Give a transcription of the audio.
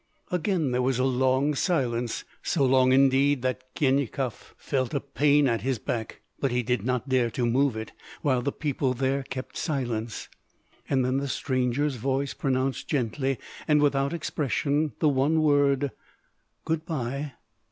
Again there was a long silence, so long indeed that Khinyakov felt a pain at his back; but he did not dare to move it, while the people there kept silence. Then the stranger's voice pronounced gently and without expression, the one word: "Good bye!"